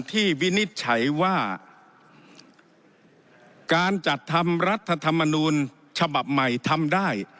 วินิจฉัยว่าการจัดทำรัฐธรรมนูลฉบับใหม่ทำได้